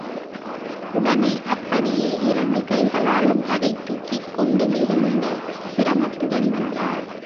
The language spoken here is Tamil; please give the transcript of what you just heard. உடனே அப்படியே இரண்டு கைகளாலும் அதைத் தூக்கிக் கொண்டு மிகுந்த சிரமத்துடன் வந்தார்.